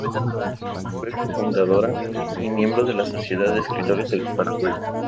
Fue cofundadora y miembro de la Sociedad de Escritores del Paraguay.